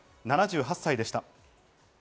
７８歳でした。